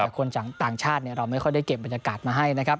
คนจังด้านต่างชาติเราไม่ได้แก่มบรรยากาศใหม่นะครับ